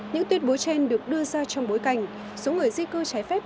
những tuyên bố trên được đưa ra trong bối cảnh số người di cư trái phép